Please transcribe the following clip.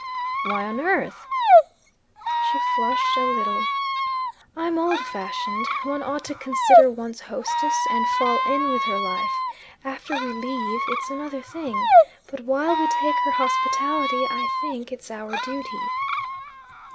"Why on earth?" She flushed a little. "I'm old fashioned. One ought to consider one's hostess, and fall in with her life. After we leave it's another thing. But while we take her hospitality I think it's our duty."